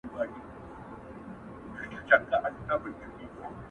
ه مړ او ځوانيمرگ دي سي”